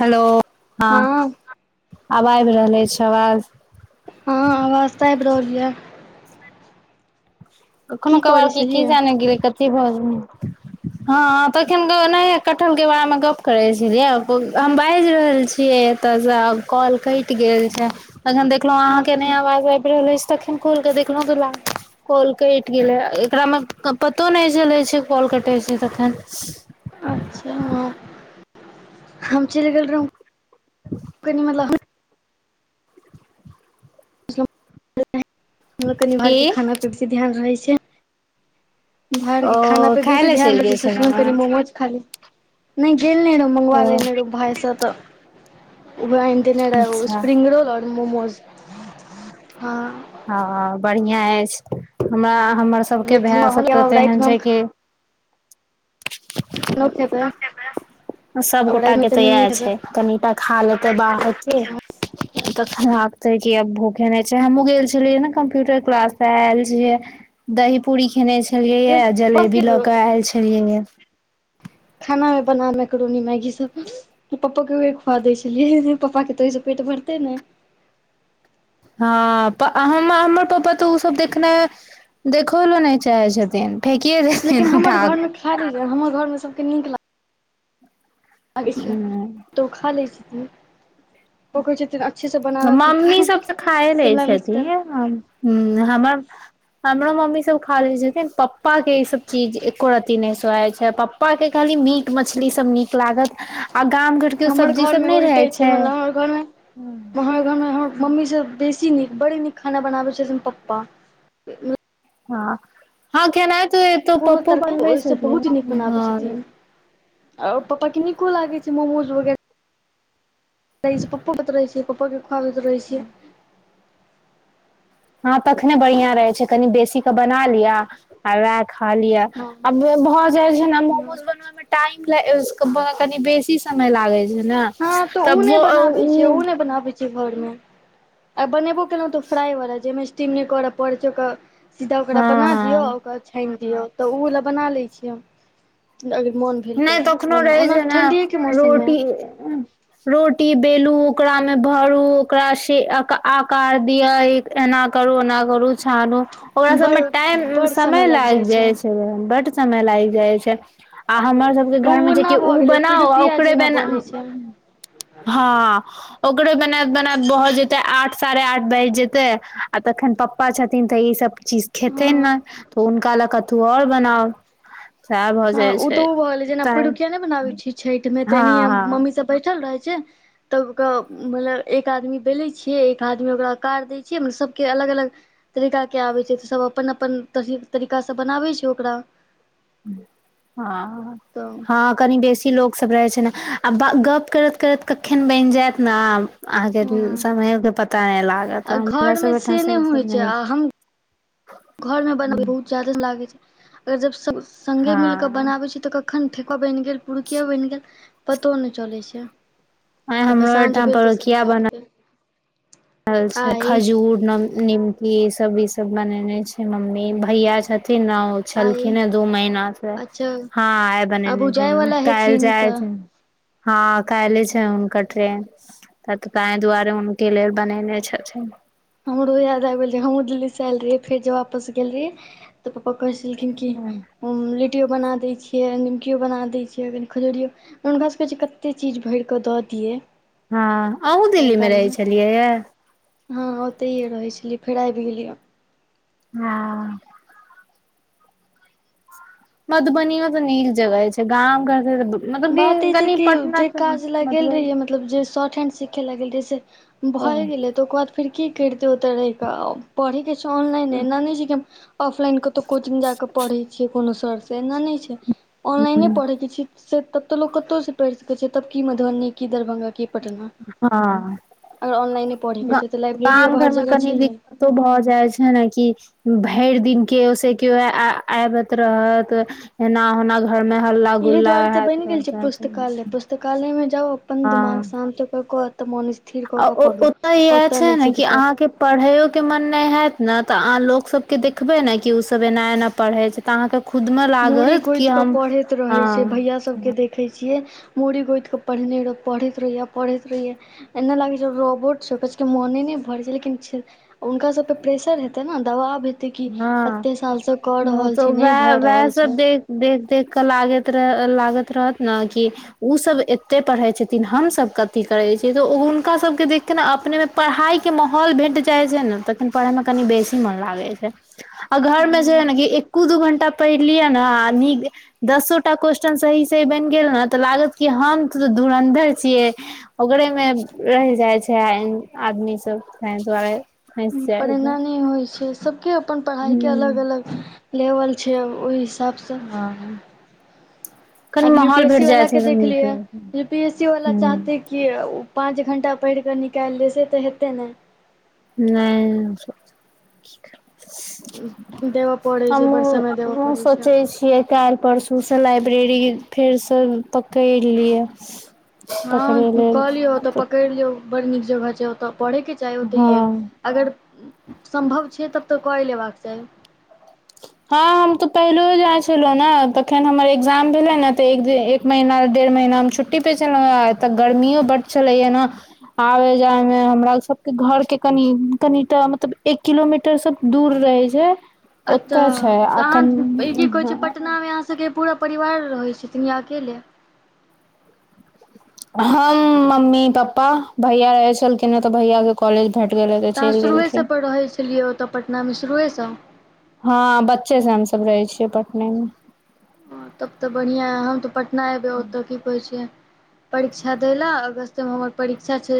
Hello हँ आब आबि रहल अछि आवाज हँ आवाज तऽ आइब रहल या कखनो की करै कभारके की छलियै जाने गेलै कथी भ हँ तखन नहि कटहलके बारेमे गप करैत छीे हम बाजि रहल छियै ओतयसँ कॉल कटि गेल छै त अखन देखलहुं अहाँ के नहि अच्छा आवाज आबि रहल अछि तखन कल के देखलहुँ दु कल कटि गेलै एकरामे पतो नहि चलै छै कल कटै छै तखन अच्छा हम चलि गेल रहौ कनि मतलब लोक कनि की भरके खाना पीबै ध्यान रहै छै बाहर ओ के खाना पे खाय बेसी लए ध्यान चलि दै गेल छ सोचलहु छलहुँ कनि हेँ? मोमोज खाली नहि गेल नहि रह ओ मंगवा ले नहि रहौ भायसँ तऽ ओहा अनि देन रहा अच्छा स्प्रिंग रोल आओर मोमोज हँ हँ बढ़िया अछि हमरा हमर सबके भाय सब तऽ ते रातिमे एहन हम छै कि लोक के भाय सबगोटा के तऽ इएह छै कनिटा खा लेतै बाहरके तखन लागते क अब भूखे नहि छै हमहुँ गेल छलियै ने कम्प्यूटर क्लास त आयल छियै दही पूड़ी खेने छलियै यए जलेबी लऽ खेबै के आयल छलिय या खाना मे बना मैक्रोनी मैगी सब पप्पो केेउहे खुआ दै छलियै पप्पा के तऽ ओहिसँ पेट भरते ने हँ हमर पापा तऽ ओ सब देखने देखौहो लै ने चाहै छथिन फेेकि छथिन फेकिये लेकिन देथीन हमर ऊठाक घरमे हमर घर मे सब नीक लगई लागए छै कऽ ऊ खा लै छथिन ओ कहै छथिन अच्छे से बनाना तीखा मम्मी सब तऽ खााय लै शिमला मिर्च डाल छथिन हुँ हमर हमरो मम्मी सब खा ले छथिन पप्पा के ई सब चीज एको रती नहि सोहै छै पपा पप्पा के खाली मीट मछली सब नीक लागत आ गाम घर के हमर सब्जी सब घरमे नहि उल्टे रहे छै मतलब हमर घरमे हमर घरमे हमर मम्मी सब बेसी नीक बड़ नीक खाना बनाबै छै पप्पा हँ हँ खेनाई त एतौ कोनो पप्पो तरकारी बनबै ओहिसँ छथि हँ आर पप्पा के नीको लागे छै मोमोज वगैरह छै पप्पो के त रहै छै पप्पो के खुआबत रहै छियै हँ तखने बढ़िया रहे छै कनी बेसी के बना लियिया आ वएह खा लिय हँ आ भऽ जाइ छै ने हँ मोमोज बनामे टाइम कनि बेसी समय लागै छै ने तब ओ घर आ बनेबो केलहुँ तऽ फ्राइ वलाा जाहिमे स्टीम नहि करय पड़ैत छै ओकरा सीधा ओकरा हँ बना दियऔ हँ ओकरा छानि दियऔ तऽ ओ बला बना लै छियै हम अगर मोन भेल नहि तऽ तखनो बना रहै ओना छै ने ठण्डिएके मौसममे रोटी रोटी बेलू ओकरा मे भरू ओकरा से आकार दिय एना करू ओना करू छानु ओकरा बड़ सबमे टाइम समय लागि जाइ छै बड समय लागि जाइ छै आ हमर सबके ओ घरमे जे ओना कि भऽ उ गेलै बनाओ आ पिरुकिया ओकरे जेना बना बनै छै हँ ओकरे बन‌एत बन‌एत भह जेते आठ साढ़े आठ बाजि जेते आ तखन पप्पा छथिन तऽ ई सब चीज खेथीन हँ नै तऽ हुनका ले कथू आओर बनाउ सएह भऽ जाय छै तो ऊ भ गेलै जेना तऽ पिड़ुकिया नहि बनाबै छी छठि मे तऽ हँ एनाहिये हँ मम्मी सब बैठल रहै छै तब ओकरा मतलब एक आदमी बेलै छियै एक आदमी ओकरा आकार दै छियै मतलब सभके अलग अलग तरीकाके आबैत छै तऽ सभ अपन अपन तरीकासँ बनाबै छै ओकरा हँ तऽ हँ कनि बेसी लोकसभ रहै छै ने आ गप करैत करैत कखन बनि जायत ने अहाँके हँ समयके पता नहि लागत आ हमरा घरमे सब ओहिठाम से सभ नई छै घर में बनाबै बहुत ज्यादे समय लागे छै अगर जब सब संगे मिल के हँ बनाबे छै तऽ कखन ठेकुआ बनि गेल पुरुकिया बनि गेल पतो नहि चलै छै अपन हमरो साँझ ओहिठाम भेल तऽ सभ घाट गेल ल छै खजूर नम निमकी ई सब ई सब बनेने छै मम्मी भैया छथिन ने आइ छलखिन हे दू महीना से अच्छा हँ आइ आब उ बनेने छै जायवला काल्हि हेथिन जाय तऽ छै हँ काल्हे छै हुनकर ट्रेन त ताहि दुआरे हुनके लेल बनेने छथिन हमरो याद आइब गेल हमहूँ दिल्ली से आयल रहिए फेर जे वापस गेल रहियै तऽ पप्पा कहै छलखिन कि लिट्टियो बना दै छै निमकियो बना दै छियै कनि खजूरियो हुनकासभकेँ जे कतेक चीज भरि कऽ दऽ दियै हँ अहूँ जाय दिल्लीमे रहै कालमे छलियै यए हँ ओतहिए रहै छलियै फेर आबि गेलियै हँ मधुबनीयो मे तऽ नीक जगह छै गाम घर त बात ई छै कि जै काज ल गेल मधुबनी रहहियै मतलब जे शॉर्ट हेंड सिखे ला गेल रहि यै से भए गेलै तऽ ओकर बाद फेर की करितै ओतऽ रहिकेऽ आउ पढ़े के छै ऑनलाइन एना न छै कि हम ऑफलाइन कतौ कोचिंग जाके पढ़े छियै कोनो सर से नहि नहि छै ऑनलाइने पढ़ैके छी से तब तो लोग कतौ से पढ़ि सकै छै तब की मधुबनी की दरभंगा की पटना हँ अगर ऑनलाइने पढ़ैके छै तऽ लाइब्रेरी आब हर जगह छैहे तऽ भऽ जाइ छै न कि भरि दिन केओ स केओ आबत रहत एना ओना घर मे हल्ला एहि गुल्ला हैत तकालय में जाउ अपन दिमाग हँ शांत कऽ क तऽ मौन आ ओतय इएह छै ने कि दिक्कत अहाँके पढ़ैयो के मन नहि हयत ने तऽ अह लोग सबके देखबै ने कि ओ सब एना एना पढ़ै छै तऽ अहाँके खुद मे मूड़ी लागत कि हम ह के देखै छियै मूड़ी गोतिंके पढ़ने रहै पढ़ैत रहियै पढ़ैत रहियै ए नहि लागै छै रोबोट छौ कि मने नहि भर छै लेकिन हुनका सबपे प्रेशर हेतै ने दबाब हेतै क हँ एते साल से क हँ रहल तऽ छी नहि वएह भर रहल वएह सब छै देख देख देख कऽ लाग रह लागैत रहत ने कि ओसभ एते पढ़ै छथिन हमसभ कथी करै छियै तऽ हुनका सबके देखिक ने अपने मे पढ़ाइ के माहौल भेट जाइ छै ने तखन पढ़यमे कनि बेसी मोन लागै छै आ घरमे जे ह ने एको दू घंटा पढ़ि लिय ने आ नीक दसोटा क्वेस्चन सही सही बनि गेल ने तऽ लागत क हम तऽ धुरन्धर छियै ओरे मे रहि जाइ छै आदमी सब तैं दुआरे फँसि पर जाइ छै एना नहि होइ छै सबके अपन पढ़ाइके अलग हूँ अलग लेवल छै आब ओहिसँ हँ कनि अब यू पी माहौल एस भेट सी जाइ वाला छै के तऽ नीक देखलिएै लगै यू पी एस सी वाला छै। चाहतै कि ओ पाँच घण्टा पढ़ि कऽ निकालियै से तऽ हेतै नहि हूँ देबऽ पड़ै छै बड़ हमहुँ समय देबऽ उहे पड़ै छै सोचैत छियै काल्हि परसूसँ लाइब्रेरी फेरसँ पकड़ि लियै हँ कहलियै ओतऽ पकड़ि लियौ बड़ नीक जगह छै ओतऽ पढ़ैके चाही ओतहिए हँ अगर सम्भव छै तब तऽ कऽए लेबाक चाही हँ हम तऽ पहिलोहो जाइ छलहुं हें नऽ तखैन हमर एग्जाम भेले ने तऽ दिय एक महिना डेढ़ महीना हम छुट्टी पे छलहुँए एतऽ गर्मियो बड्ड छलै ये ने आबे जाय मे हमरा सबके घर के कनि कनिटाऽ मतलब एक किलोमीटर टर सब दूर रहै छै अतऽ ओतऽ छै तऽ आ अहाँ ई की कहै छै कनि पटना मे अहाँ सभके पूरा परिवार रहैत छथिन या अकेले हम मम्मी पप्पा भैया रहै छलखिन हें तऽ भैया के कॉलेज भेट गेलै तऽ अहाँ चलि शुरुएसँ गेलखिन पर रहै छलियै ओतय पटनामे शुरुएसँ हँ बच्चे से हम सब रहै छियै पटने मे हँ तब तऽ बढ़ियां अए हम तऽ पटना अएबै ओतऽ की कहै छियै परीक्षा दै ला अगस्तमे हमर परीक्षा छै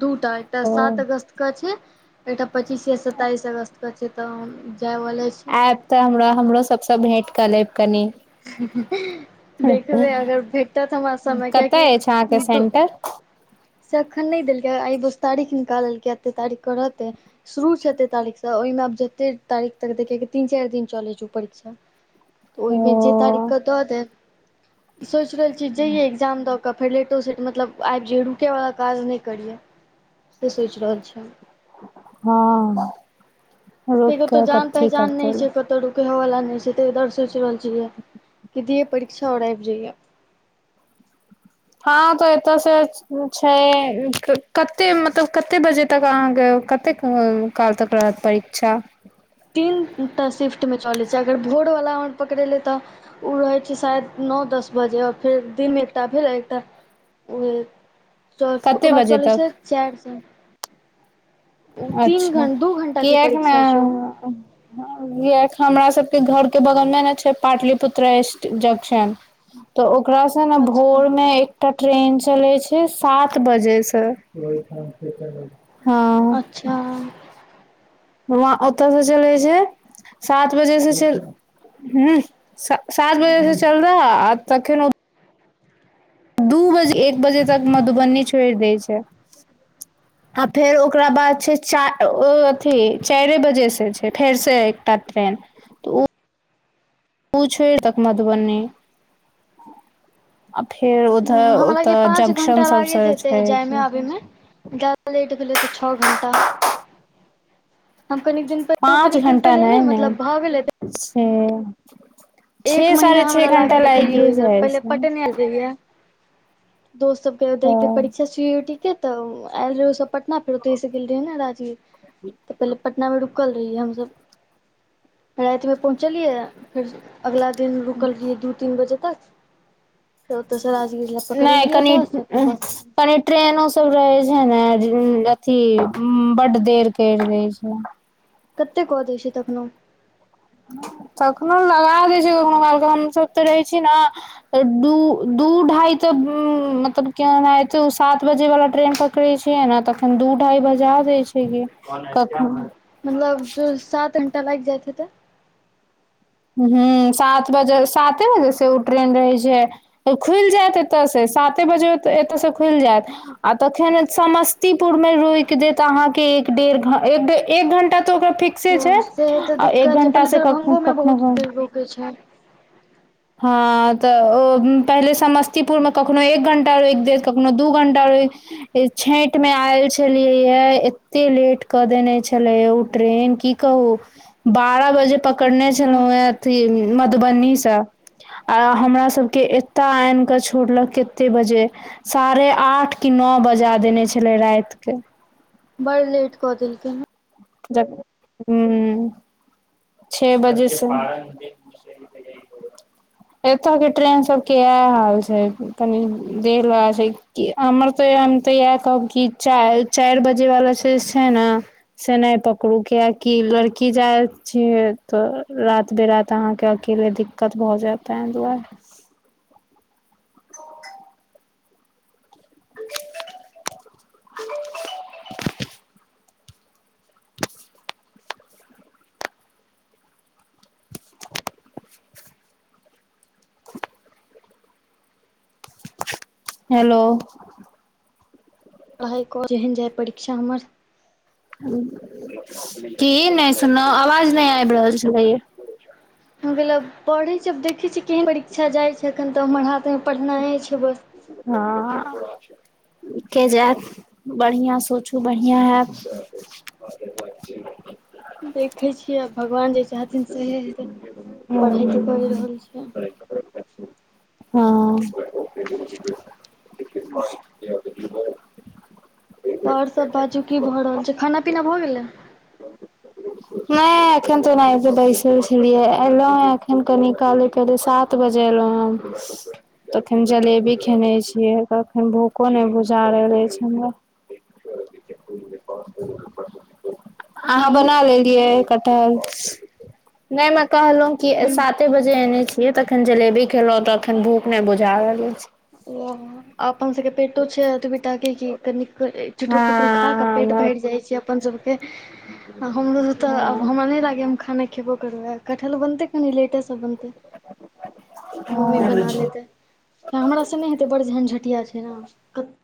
दू टा एकटा ओ सात अगस्त के छै एकटा पचीस आ सताईस अगस्त के छै तऽ हम जाय वाला छी आएब तऽ हमरा हमरो सबसँ भेट कऽ लेब कनि [inaudible] देखबै अगर भेटत हमरा समय कियाकि कतय अछि अहाँके दु सेंटर से एखन नहि देलकै आइ बस तारीख निकाललकै एतेक तारीख कऽ रहतै शुरू छै एतेक तारीखसँ ओहिमे आब जतेक तारीख तक दै किएक तऽ तीन चारि दिन चलैत छै ओ परीक्षा तऽ ओहिमे जे ओ तारीखक दऽ दै सोच रहल छी जहिये एग्जाम दऽ के कऽ फेर लेटो सेट मतलब आबि जैयै रुकैवला काज नहि करियै से सोचि रहल छियै हम हँ रुक कि कत्तौ के जान कथी पहचान करतै नहि छै कतऽ रुक कय वाला नहि छै तऽ इधर सोचि रहल छियै कि दियै परीक्षा आओर आबि जइयै हँ तऽ एतऽसँ छै कत्ते मतलब कत्ते बजे तक अहाँकेँ कतेक काल्हि तक रहत परीक्षा तीनटा सिफ्टमे चलैत छै अगर भोरवला हमर पकड़ेलै तऽ ओ रहै छै शाइद नौ दस बजे आ फेर दिनमे एकटा भेल एकटा ओ कते ओकर बाद बजे चलै छै तक चारि सँ अच्छा घं दू घण्टाके किएक नहि परीक्षा छै ओ हँ उहो अखन हमरा सबके घर के बगल मे नै छै पाटलिपुत्रा स्टे जंक्शन तऽ ओकरा से ने अच्छा भोर मे एक एकटा ट्रेन चलै छै सात बजे से हँ हँ वहाँ ओतऽ जे चलै छै सात बजे से चलि हूँ स सात बजे सँ चललै आ तखैन ओ दू बजे एक बजे तक मधुबनी छोड़ि दैत छै आ फेर ओकरा बाद छै चा ओ अथी चारिए बजेसँ छै फेरसँ एकटा ट्रेन तऽ ओ उ छोड़ि देत मधुबनी आ फेर उधर हमरा लागैये ओतऽ पाँच घंटा जंक्शन सब लागैत हेतै छै जायमे आबैमे लेट गेलै तऽ छओ घण्टा हम कन दिन पहिल ओ पाँच कनिक दिन घंटा पहिले नहि ने नहि मतलब भए गेलै छै छे एक महीना साढ़े छे हमरा घंटा लागैहि लागिए जाइ पहिले छै पटेने रहयै दोस्त सबके देखे परीक्षा ह सीटी के तऽ आयल रहे ओ सब पटना फेर ओतेह सँ गेल रहे है न रांची पहिले पटना मे रुक रकल रहियै हमसब रातिमे पहुँचलियै फेर अगिला दिन रुकल रहियै दू तीन बजे तक फेर ओतऽसँ राजगीर लए नहि पकड़लियै कनि बस फेर बस सँ कनि ट्रेनो सब रहे छै ने अथी बड्ड देर कर दै छै कतेक कऽ दै छै तखनो कखनो लगा दै छै काखनो काल क हमसभ तऽ रहै छी ने दू दू ढाई तऽ मतलब केना सात बजे वाला ट्रेन पर पकड़े छिय ने तखन दू ढाइ बजा दै छै की कखनो मतलब जो सात घण्टा लागि जाइत हते हुँ सात बजे सााते बजे से ओ ट्रेन रहै छै खुलि जायत एतऽ से साते बजे एतऽ से खुलि जायत आ तखन समस्तीपुरमे रोकि देत अहाँके एक डेढ़ एक घण्टा तऽ ओकरा फिर से छै ओ तऽ आ एक दिक्कत छै घण्टा पहिले से कखनो दरभंगो मे क बहुत देर रोकै छै [unintelligible] हँ तऽ ओ पहिले समस्तीपुरमे कखनो एक घण्टा रोकि देत कखनो दू घंटा रोकि ए छठि मे आयल छलियै य एते लेट कऽ देने छलेे उ ट्रेन की कहू बारह बजे पकड़ने हँ छलहुँ हे अथी मधुबनीसँ आ हमरा सभके एतय आनि कऽ छोड़लक कते बजे साढ़े आठ क नओ बजा देने छलै रातिके बड़ लेट क देलकै हँ जग हुँ छे बजे से एतऽ के ट्रेन सब के इएह हाल छै कनी देर लगा छै कि हमर तऽ हम तऽ इएह कहब कि चारि चारि बजे वला से छै ने से नहि पकड़ू क्य कि लड़की जाय छिय तऽ राात बिरात अहाँके अकेले दिक्कत भऽ जायत तहि दुआरे हेलो पढ़ाइ क जेहन जाय परीक्षा हमर की नहि सुन आवाज नहि आबि रहल छलैय हम गेलब पढ़ै छै आब देखै छी केहन परीक्षा जाइ छै एखन तऽ हमर हाथमे पढ़नाइ छै बस हँ के जायत बढ़िआँ सोचू बढ़िआँ हायत देखैत छियै आ भगवान जे चाहथिन सएह हेत पढ़ाइ तऽ करि रहल छिय हँ [inaudible] त आओर सब बाजू की भऽ रहल छै खाना पीना भऽ गेलै नहि एखन ते नहि बैसल छलियै एलहु हन एखन कनि काले सात बजे एलहु हम तखन जलेबी खेने छियै कखन भूखो नहि बुझाार रहल अछि हमरा अहाँ की बना लेलियै कटहल नहि मे कहलहुं कि साात कते बजे एने छियै तखन जलेबी खेलों तऽ अखन भूख नहि बुझा रहले छै ओ अपन सबकेे पेटो छै अतबि ताकि कि कनिक चुटू पुटुर खा कऽ हँ पेट हँ भरि जाइ छै अपन सभके हमरो त हँ हमरा नहि लागे खाना खेबो करबै कटहल बनतै कनि लेट स बनते मम्मी बना ले तै हमरा स नहि हेतै बड़ झंझटिया छै न